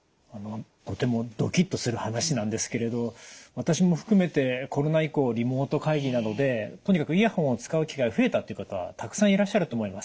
とてもドキッとする話なんですけれど私も含めてコロナ以降リモート会議などでとにかくイヤホンを使う機会が増えたっていう方たくさんいらっしゃると思います。